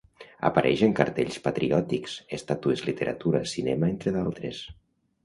Apareix en cartells patriòtics, estàtues, literatura, cinema entre d'altres.